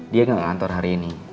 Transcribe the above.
dia gak ke kantor hari ini